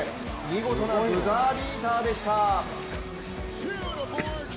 見事なブザービーターでした。